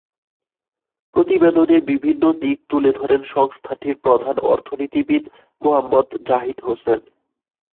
প্রতিবেদনের বিভিন্ন দিক তুলে ধরেন সংস্থাটির প্রধান অর্থনীতিবিদ মোহাম্মদ জাহিদ হোসেন।